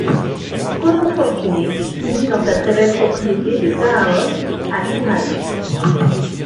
Colon fortuné, il vit dans sa très belle propriété de Taaone à Pirae.